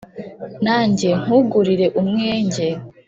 nanjye nkugurire umwenge